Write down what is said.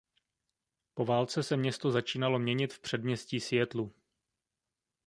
Po válce se město začínalo měnit v předměstí Seattlu.